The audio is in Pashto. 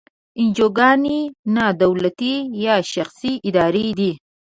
انجوګانې نا دولتي یا شخصي ادارې دي.